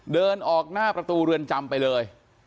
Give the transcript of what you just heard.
เดินออกหน้าประตูเรือนจำไปเลย